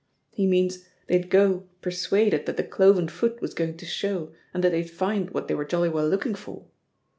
He means they'd go persuaded that the cloven foot was going to show and that they'd find what they were jolly well looking for.